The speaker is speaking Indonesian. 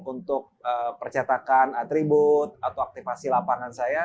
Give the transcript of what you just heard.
untuk percetakan atribut atau aktifasi lapangan saya